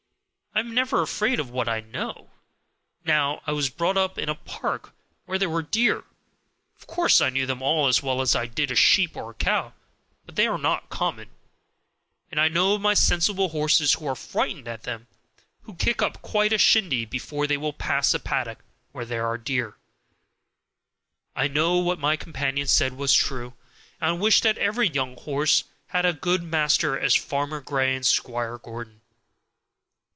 I am never afraid of what I know. Now I was brought up in a park where there were deer; of course I knew them as well as I did a sheep or a cow, but they are not common, and I know many sensible horses who are frightened at them, and who kick up quite a shindy before they will pass a paddock where there are deer." I knew what my companion said was true, and I wished that every young horse had as good masters as Farmer Grey and Squire Gordon.